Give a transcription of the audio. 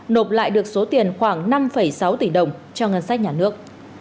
nộp lại được số tiền khoảng năm sáu tỷ đồng cho ngân sách nhà nước